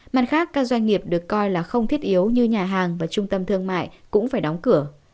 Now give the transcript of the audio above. mặt khác các doanh nghiệp được coi là không thiết yếu như nhà hàng và trung tâm thương mại cũng phải đóng cửa